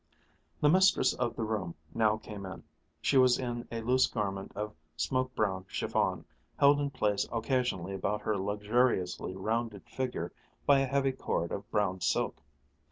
The mistress of the room now came in. She was in a loose garment of smoke brown chiffon, held in place occasionally about her luxuriously rounded figure by a heavy cord of brown silk.